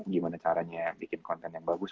gimana caranya bikin konten yang bagus